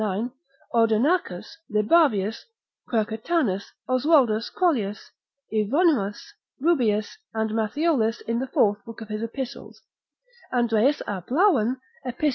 Audernacus, Libavius, Quercetanus, Oswaldus Crollius, Euvonymus, Rubeus, and Matthiolus in the fourth book of his Epistles, Andreas a Blawen epist.